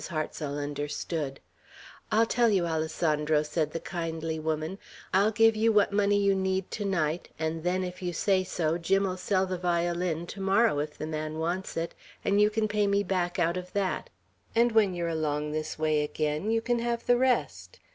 Hartsel understood. "I'll tell you, Alessandro," said the kindly woman, "I'll give you what money you need to night, and then, if you say so, Jim'll sell the violin to morrow, if the man wants it, and you can pay me back out of that, and when you're along this way again you can have the rest.